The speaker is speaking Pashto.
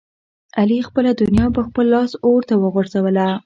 علي خپله دنیا په خپل لاس اورته وغورځوله.